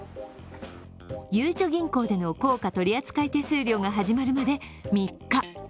ゆうちょ銀行での硬貨取り扱い手数料が始まるまで３日。